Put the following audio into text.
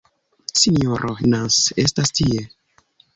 Sinjoro Nans estas tie.